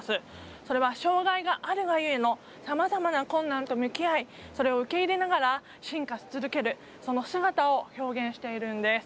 それは障がいがあるがゆえのさまざまな困難と向き合いそれを受け入れながら進化し続けるその姿を表しているんです。